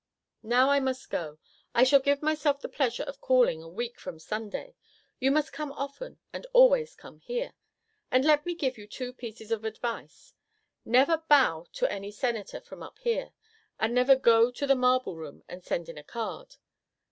Now I must go. I shall give myself the pleasure of calling a week from Sunday. You must come often, and always come here. And let me give you two pieces of advice: never bow to any Senator from up here, and never go to the Marble Room and send in a card.